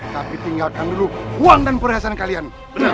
tapi tinggalkan dulu uang dan perhiasan kalian